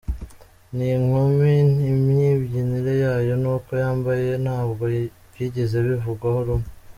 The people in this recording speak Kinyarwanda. Iyi nkumi imibyinire yayo n'uko yambaye ntabwo byigeze bivugwaho rumwe.